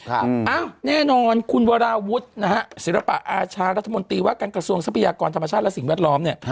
อ้าวแน่นอนคุณวราวุฒินะฮะศิลปะอาชารัฐมนตรีว่าการกระทรวงทรัพยากรธรรมชาติและสิ่งแวดล้อมเนี่ย